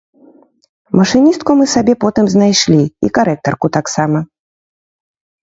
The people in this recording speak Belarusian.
Машыністку мы сабе потым знайшлі і карэктарку таксама.